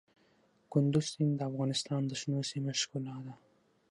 کندز سیند د افغانستان د شنو سیمو ښکلا ده.